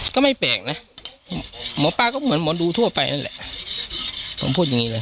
ก็ไม่แปลกนะหมอปลาก็เหมือนหมอดูทั่วไปนั่นแหละผมพูดอย่างงี้เลย